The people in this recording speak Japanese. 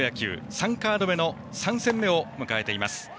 ３カード目の３戦目を迎えています。